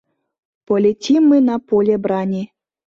Полетим мы на поле брани